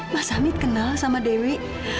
mas hamid kenal sama dewi